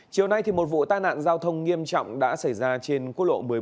chiều nay một vụ tai nạn giao thông nghiêm trọng đã xảy ra trên quốc lộ một mươi bốn